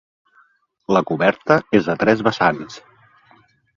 La coberta és a tres vessants.